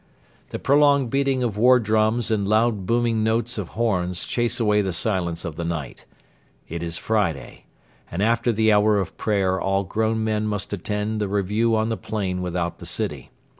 The prolonged beating of war drums and loud booming notes of horns chase away the silence of the night. It is Friday, and after the hour of prayer all grown men must attend the review on the plain without the city.